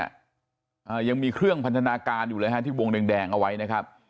อ่ายังมีเครื่องพันธนาการอยู่เลยฮะที่วงแดงแดงเอาไว้นะครับ